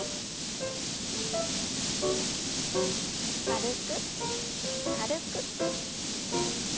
軽く軽く。